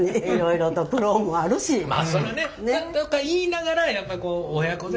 まあそりゃあねとか言いながらやっぱこう親子で。